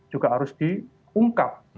juga harus diungkap